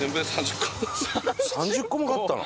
３０個も買ったの？